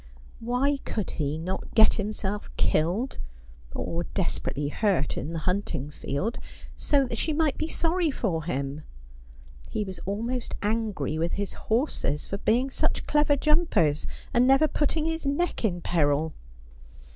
Why could he not get himself killed, or desperately hurt in the hunting field, so that she might be sorry for him ? He was almost angry with his horses for being such clever jumpers, and never putting his neck in peril.